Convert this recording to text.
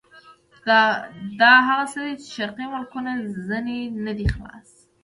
دا هغه څه دي چې شرقي ملکونه ځنې نه دي خلاص.